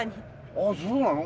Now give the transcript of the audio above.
ああそうなの？